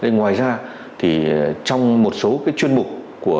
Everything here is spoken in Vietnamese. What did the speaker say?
ngoài ra thì trong một số chuyên mục